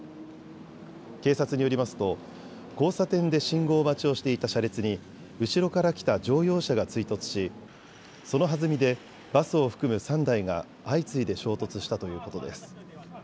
警察によりますと交差点で信号待ちをしていた車列に後ろから来た乗用車が追突しそのはずみでバスを含む３台が相次いで衝突したということです。